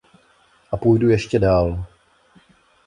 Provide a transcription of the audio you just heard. A půjdu ještě dál.